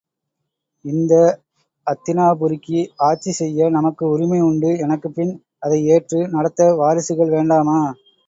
இந்த அத்தினாபுரிக்கு ஆட்சி செய்ய நமக்கு உரிமை உண்டு எனக்குப்பின் அதை ஏற்று நடத்த வாரிசுகள் வேண்டாமா?